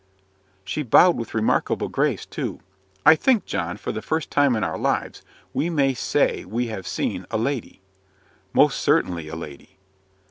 "She bowed with remarkable grace, too. I think, John, for the first time in our lives, we may say we have seen a LADY." "Most certainly a lady."